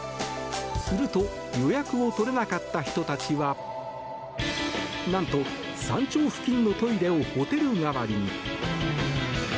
すると予約をとれなかった人たちは何と、山頂付近のトイレをホテル代わりに。